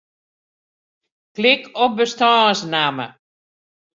Klik op bestânsnamme.